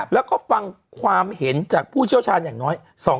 แล้วก็ฟังความเห็นจากผู้เชี่ยวชาญอย่างน้อย